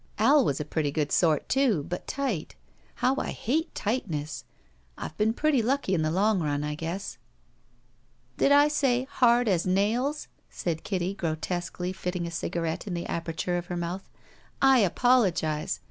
Al was a pretty good sort, too, but tight. How I hate tight ness ! I've been pretty lucky in the long nm, I guess. '' "Did I say 'hard as nails'?" said Kitty, gro tesquely fitting a cigarette in the aperture of her mouth. "I apologize.